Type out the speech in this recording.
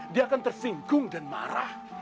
dia akan tersinggung dan marah